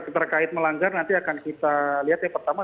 terkait melanggar nanti akan kita lihat yang pertama